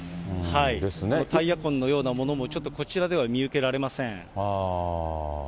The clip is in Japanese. タイヤ痕のようなものも、ちょっとこちらでは見受けられません。